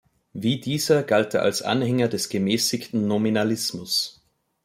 Wie dieser galt er als Anhänger des gemäßigten Nominalismus.